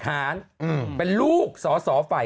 แสดงแหน่ะรู้ดีนะเธอล่ะ